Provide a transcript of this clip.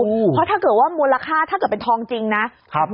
เพราะถ้าเกิดว่ามูลค่าถ้าเกิดเป็นทองจริงนะครับ